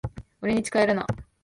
俺に近寄るな。